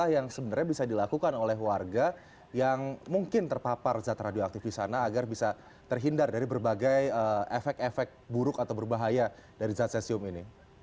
apa yang sebenarnya bisa dilakukan oleh warga yang mungkin terpapar zat radioaktif di sana agar bisa terhindar dari berbagai efek efek buruk atau berbahaya dari zat cesium ini